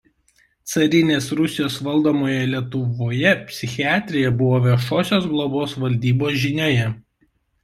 Carinės Rusijos valdomoje Lietuvoje psichiatrija buvo Viešosios globos valdybos žinioje.